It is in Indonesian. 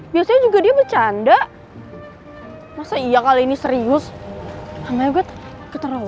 biasanya juga dia bercanda masa iya kali ini serius namanya gue keterawan